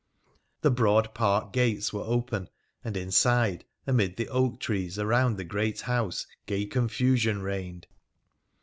The broad park gates were open, and inside, amid the oak trees around the great house, gay confusion reigned.